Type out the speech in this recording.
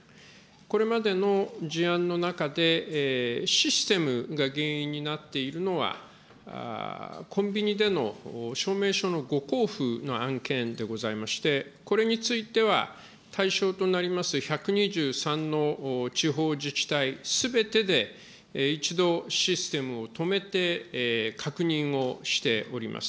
これまでの事案の中で、システムが原因になっているのはコンビニでの証明書の誤交付の案件でございまして、これについては、対象となります１２３の地方自治体すべてで、一度システムを止めて確認をしております。